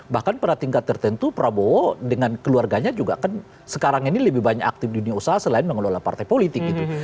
bahkan pada tingkat tertentu prabowo dengan keluarganya juga kan sekarang ini lebih banyak aktif di dunia usaha selain mengelola partai politik gitu